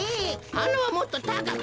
はなはもっとたかく。